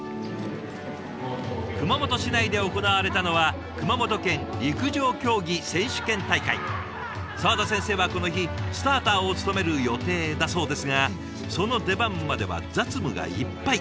熊本市内で行われたのは沢田先生はこの日スターターを務める予定だそうですがその出番までは雑務がいっぱい。